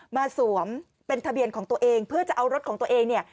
สวมเป็นทะเบียนของตัวเองเพื่อจะเอารถของตัวเองเนี่ย